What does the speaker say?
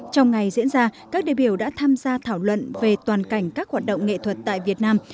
trong ngày diễn ra các đề biểu đã tham gia thảo luận về toàn cảnh các hoạt động nghệ thuật tại việt nam